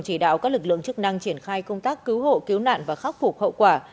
chỉ đạo các lực lượng chức năng triển khai công tác cứu hộ cứu nạn và khắc phục hậu quả